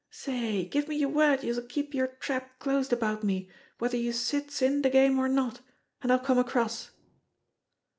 Say, give me yer word youse'll keep yer trap closed about me whether youse sits in de game or not, an' I'll come across."